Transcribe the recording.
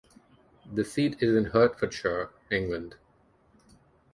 The seat is in Hertfordshire, England.